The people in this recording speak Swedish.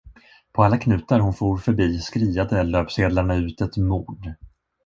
På alla knutar hon for förbi skriade löpsedlarna ut ett mord.